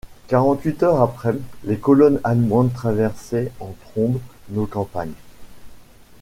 Quarante huit heures après, les colonnes allemandes traversaient en trombe nos campagnes.